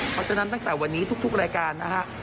เพราะฉะนั้นตั้งแต่วันนี้ทุกรายการนะฮะ